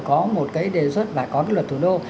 có một cái đề xuất là có cái luật thủ đô